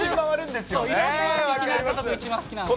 一番好きなんですよ。